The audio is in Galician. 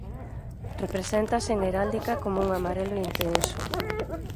Represéntase en heráldica como un amarelo intenso.